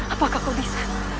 apakah kau bisa